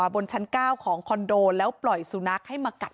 บนชั้น๙ของคอนโดแล้วปล่อยสุนัขให้มากัด